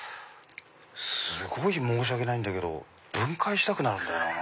すごい申し訳ないんだけど分解したくなるんだよなぁ。